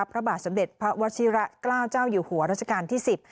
พระบาทสำเด็จพระวัชิรกราชเจ้าอยู่หัวราชการที่๑๐